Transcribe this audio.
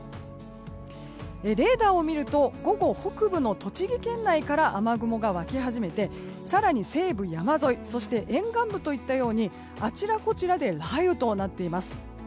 レーダーを見ると午後、北部の栃木県内から雨雲が湧き始めて更に西部山沿いそして沿岸部といったようにあちらこちらで雷雨となっています。